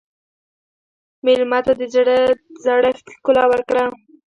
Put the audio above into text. مېلمه ته د زړښت ښکلا ورکړه.